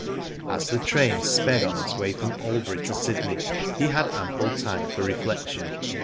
As the train sped on its way from Albury to Sydney, he had ample time for reflection.